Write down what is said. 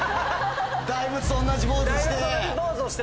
大仏と同じポーズして！